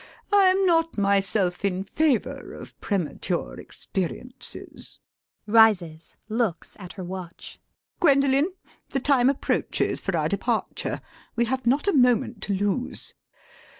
I am not myself in favour of premature experiences. [Rises, looks at her watch.] Gwendolen! the time approaches for our departure. We have not a moment to lose.